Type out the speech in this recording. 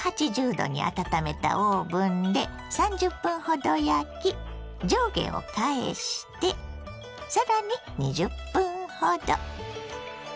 ℃に温めたオーブンで３０分ほど焼き上下を返してさらに２０分ほど。